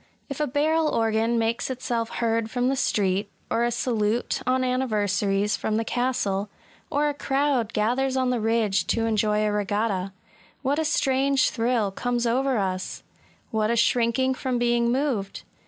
If a barrel org^n makes itself heard from the street^ — or a salute, on anniversaries, from the castle, — or a crowd gathers on the ridge to enjoy a regatta, — what a strange thrill comes over us I What a shrinking from being moved